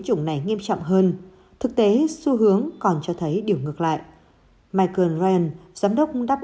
chủng này nghiêm trọng hơn thực tế xu hướng còn cho thấy điều ngược lại michael ren giám đốc đáp